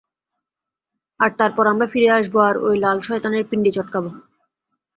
আর তারপর আমরা ফিরে আসবো আর ওই লাল শয়তানের পিণ্ডি চটকাবো।